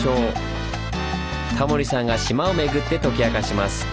タモリさんが島を巡って解き明かします。